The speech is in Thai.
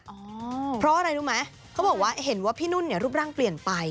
เพราะอะไรรู้ไหมเขาบอกว่าเห็นว่าพี่นุ่นเนี่ยรูปร่างเปลี่ยนไป